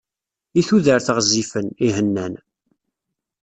I tudert ɣezzifen, ihennan.